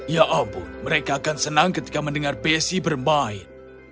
ya ampun mereka akan senang ketika mendengar besi bermain